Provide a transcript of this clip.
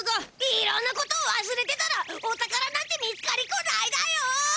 いろんなことをわすれてたらお宝なんて見つかりっこないだよ！